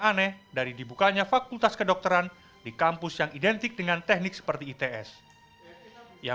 aneh dari dibukanya fakultas kedokteran di kampus yang identik dengan teknik seperti its yang